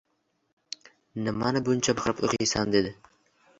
Nimani buncha baqirib o’qiysan dedi.